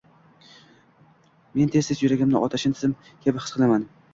Men tez-tez yuragimni otashin tizim kabi his qilaman.